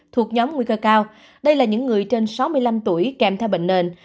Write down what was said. thuộc nhóm nguy cơ cao đây là những người trên sáu mươi năm tuổi kèm theo bệnh nền